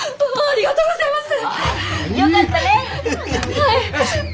ありがとうございます。